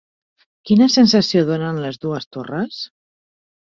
Quina sensació donen les dues torres?